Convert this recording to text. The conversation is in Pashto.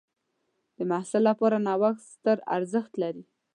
د محصل لپاره نوښت ستر ارزښت لري.